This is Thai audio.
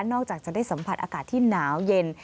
จากจะได้สัมผัสอากาศที่หนาวเย็น